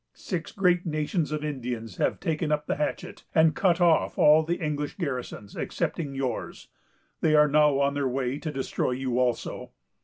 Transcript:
Six great nations of Indians have taken up the hatchet, and cut off all the English garrisons, excepting yours. They are now on their way to destroy you also.